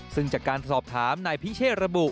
ซึ่งจากการสอบถามนายพิเชษระบุ